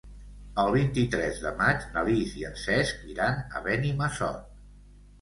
El vint-i-tres de maig na Lis i en Cesc iran a Benimassot.